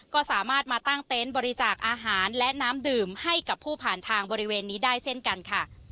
ก็สามารถมาตั้งเต็นต์บริจาคอาหารและน้ำดื่มให้กับผู้ผ่านทางบริเวณนี้ได้เช่นกันค่ะ